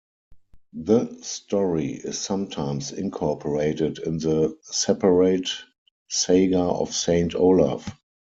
The story is sometimes incorporated in the "Separate Saga of Saint Olaf".